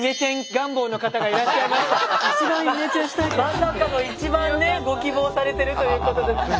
まさかの一番ねご希望されてるということで。